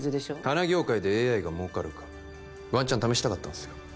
花業界でＡＩが儲かるかワンチャン試したかったんすよ